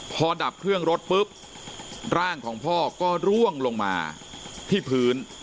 พอดับเครื่องรถปุ๊บร่างของพ่อก็ร่วงลงมาที่พื้น